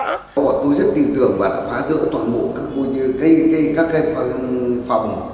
bọn tôi rất tin tưởng và đã phá rỡ toàn bộ các phòng